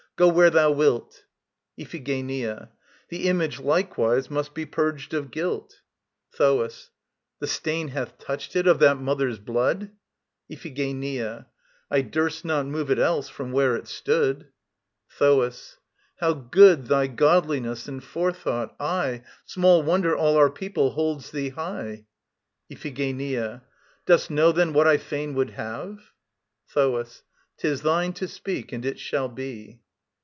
Go where thou wilt. IPHIGENIA. The Image likewise must be purged of guilt. THOAS. The stain hath touched it of that mother's blood? IPHIGENIA. I durst not move it else, from where it stood. THOAS. How good thy godliness and forethought! Aye, Small wonder all our people holds thee high. IPHIGENIA. Dost know then what I fain would have? THOAS. 'Tis thine to speak and it shall be.